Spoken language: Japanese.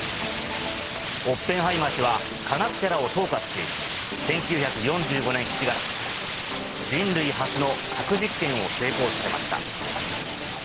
オッペンハイマー氏は、科学者らを統括し、１９４５年７月、人類初の核実験を成功させました。